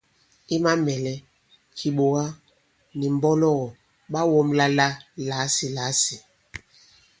I mamɛ̀lɛ, kìɓòga nì mbɔlɔgɔ̀ ɓa wɔ̄mla la làasìlàasì.